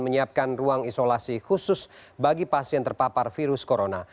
menyiapkan ruang isolasi khusus bagi pasien terpapar virus corona